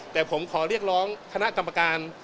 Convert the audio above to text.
แต่ผมขอเรียกร้องคณะกรรมการ